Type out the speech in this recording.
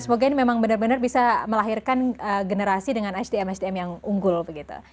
dan semoga ini memang benar benar bisa melahirkan generasi dengan hdm hdm yang unggul begitu